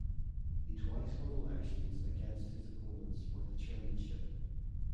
He twice won elections against his opponents for the chairmanship.